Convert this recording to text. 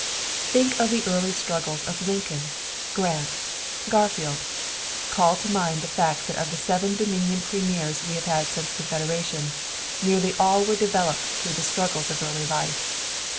Think of the early struggles of Lincoln, Grant, Garfield. Call to mind the fact that of the seven Dominion premiers we have had since Confederation, nearly all were developed through the struggles of early life.